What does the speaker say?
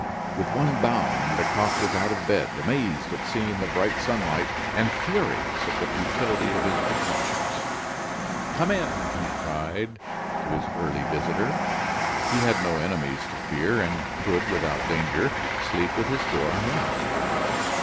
With one bound Lecoq was out of bed, amazed at seeing the bright sunlight, and furious at the futility of his precautions. "Come in!" he cried to his early visitor. He had no enemies to fear, and could, without danger, sleep with his door unlocked.